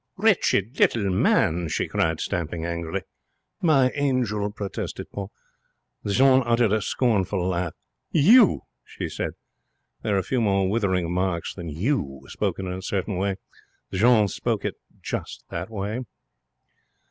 'Wretched little man!' she cried, stamping angrily. 'My angel!' protested Paul. Jeanne uttered a scornful laugh. 'You!' she said. There are few more withering remarks than 'You!' spoken in a certain way. Jeanne spoke it in just that way.